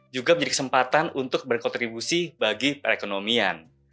juga menjadi kesempatan untuk berkontribusi bagi perekonomian